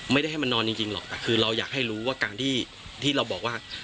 ไม่ได้ให้มันนอนจริงหรอกแต่คือเราอยากให้รู้ว่าการที่เราบอกว่า